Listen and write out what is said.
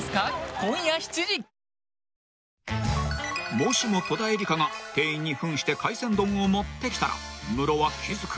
［もしも戸田恵梨香が店員に扮して海鮮丼を持ってきたらムロは気付く？